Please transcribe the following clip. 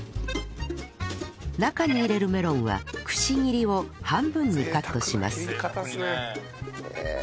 中に入れるメロンはくし切りを半分にカットします